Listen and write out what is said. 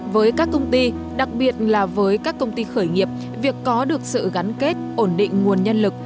với các công ty đặc biệt là với các công ty khởi nghiệp việc có được sự gắn kết ổn định nguồn nhân lực